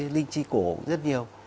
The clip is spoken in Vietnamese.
linh chi cổ rất nhiều